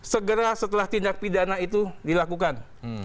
segera setelah tindak pidana itu dilakukan